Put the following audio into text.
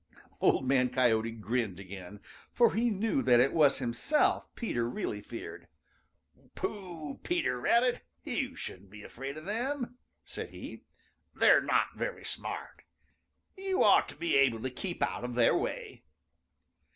Old Man Coyote grinned again, for he knew that it was himself Peter really feared. "Pooh, Peter Rabbit! You shouldn't be afraid of them!" said he. "They're not very smart. You ought to be able to keep out of their way."